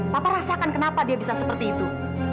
papa rasakan kenapa dia bisa seperti itu